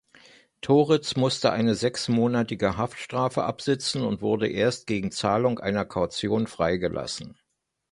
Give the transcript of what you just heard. Toriz musste eine sechsmonatige Haftstrafe absitzen und wurde erst gegen Zahlung einer Kaution freigelassen.